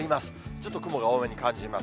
ちょっと雲が多めに感じます。